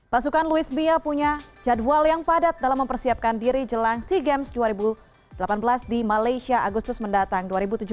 pasukan louis mia punya jadwal yang padat dalam mempersiapkan diri jelang sea games dua ribu delapan belas di malaysia agustus mendatang dua ribu tujuh belas